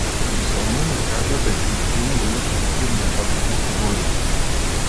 Гибсонови ми кажаа дека и тие му биле соседи на татко ми со години.